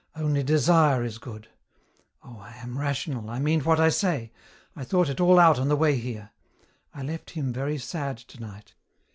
Only desire is good. Oh, I am rational, I mean what I say. I thought it all out on the way here. I left him very sad tonight.